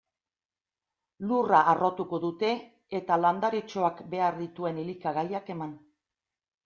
Lurra harrotuko dute, eta landaretxoak behar dituen elikagaiak eman.